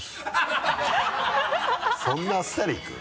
そんなあっさりいく？